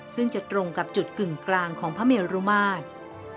ซึ่งจะตรงกับจุดกึ่งกลางของพระเมรุมาตร